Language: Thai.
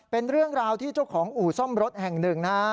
เป็นเรื่องราวที่เจ้าของอู่ซ่อมรถแห่งหนึ่งนะฮะ